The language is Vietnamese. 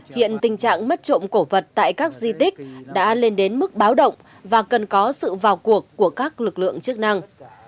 hiện tình trạng mất trộm cổ vật tại các di tích đã lên đến mức báo động và cần có sự vào cuộc của các lực lượng chức năng